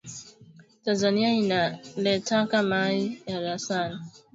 Tanzania inaletaka mayi ya dasani kalemie ya mingi